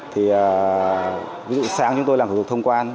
thì ví dụ sáng chúng tôi làm thủ tục thông quan